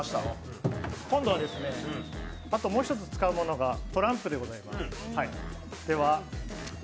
今度は、あともう一つ使うものがトランプでございます。